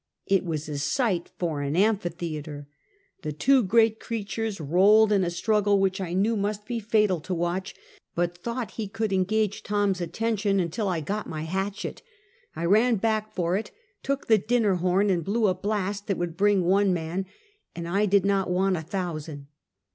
It was a sight for an amphitheatre. The two great creatures rolled in a struggle, which I knew must be fatal to Watch, but thought he could engage Tom's attention until I got my hatchet. I ran back for it, took the dinner horn and blew a blast that would bring one man, and I did not want a thousand.